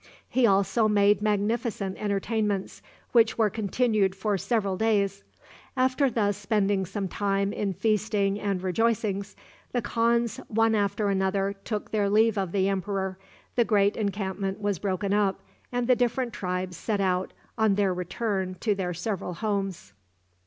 He also made magnificent entertainments, which were continued for several days. After thus spending some time in feasting and rejoicings, the khans one after another took their leave of the emperor, the great encampment was broken up, and the different tribes set out on their return to their several homes.